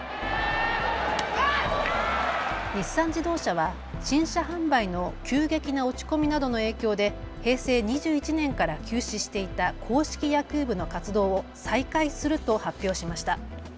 日産自動車は新車販売の急激な落ち込みなどの影響で平成２１年から休止していた硬式野球部の活動を再開すると発表しました。